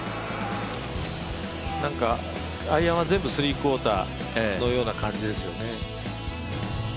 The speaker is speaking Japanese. なんかアイアンは全部スリークォーターのような感じですよね。